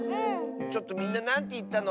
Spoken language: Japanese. ちょっとみんななんていったの？